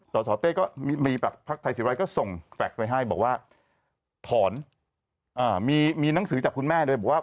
สสเต้ก็มีแบบพักไทยศิวรายก็ส่งแฟลกไปให้บอกว่าถอนมีหนังสือจากคุณแม่โดยบอกว่า